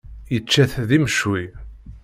Yečča-t d imecwi.